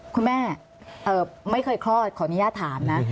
คุณแม่ไม่เคยคลอดขออนุญาตถามนะ